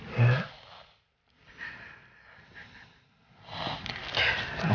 mama tenang ya